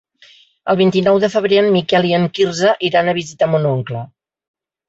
El vint-i-nou de febrer en Miquel i en Quirze iran a visitar mon oncle.